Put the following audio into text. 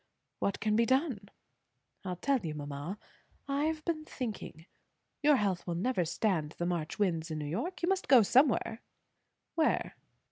"What can be done?" "I'll tell you, mamma. I've been thinking. Your health will never stand the March winds in New York. You must go somewhere." "Where?"